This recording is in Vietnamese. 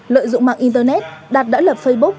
lợi dụng mạng internet đạt đã lập facebook